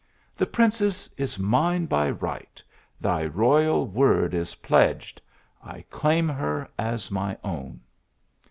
The princess is mine by right ; thy royal word is pledged ; I claim her as my own."